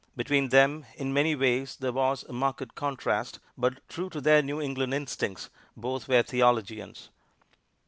Between them in many ways there was a marked contrast, but true to their New England instincts both were theologians.